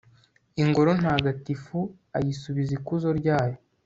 ingoro ntagatifu ayisubiza ikuzo ryayo